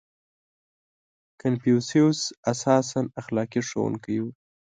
• کنفوسیوس اساساً اخلاقي ښوونکی و.